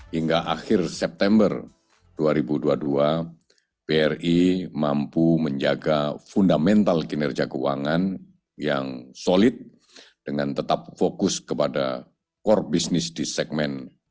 hingga akhir september dua ribu dua puluh dua bri mampu menjaga fundamental kinerja keuangan yang solid dengan tetap fokus kepada core business di segmen